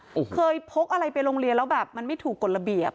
โอ้โหเคยพกอะไรไปโรงเรียนแล้วแบบมันไม่ถูกกฎระเบียบ